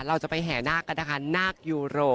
เราจะไปแห่นาคกันนะคะนาคยูโร